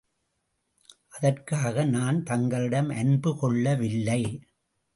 அதற்காக, நான் தங்களிடம் அன்பு கொள்ளவில்லை.